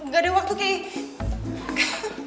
gak ada waktu kay